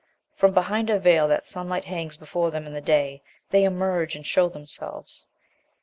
From behind a veil that sunlight hangs before them in the day they emerge and show themselves.